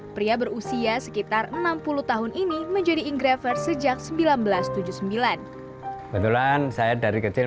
pria berusia sekitar enam puluh tahun ini menjadi inggraver sejak seribu sembilan ratus tujuh puluh sembilan betulan saya dari kecil